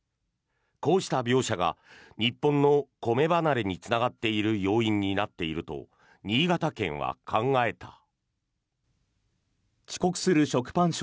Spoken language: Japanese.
こうした描写が日本の米離れにつながっている要因になっていると新潟県は考えた。